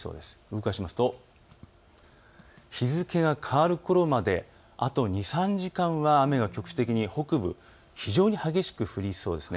動かすと、日付が変わるころまであと２、３時間は雨が局地的に北部、非常に激しく降りそうです。